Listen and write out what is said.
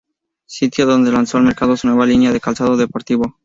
Sitio donde lanzó al mercado su nueva línea de calzado deportivo.